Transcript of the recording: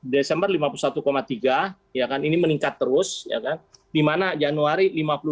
desember lima puluh satu tiga ini meningkat terus di mana januari lima puluh dua